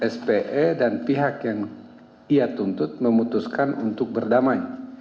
spe dan pihak yang ia tuntut memutuskan untuk berdamai